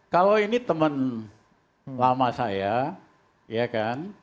kalau ini teman lama saya ya kan